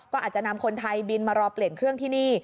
ก็อาจจะนำคนไทยบินมารอเปลี่ยนเครื่องที่นี่